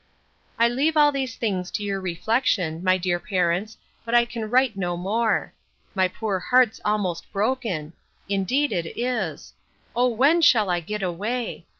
I leave all these things to your reflection, my dear parents but I can write no more. My poor heart's almost broken! Indeed it is—O when shall I get away!